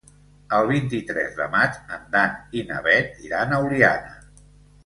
El vint-i-tres de maig en Dan i na Bet iran a Oliana.